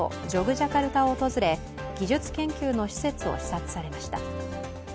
ジャカルタを訪れ技術研究の施設を視察されました。